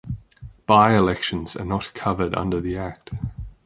By-elections are not covered under the act.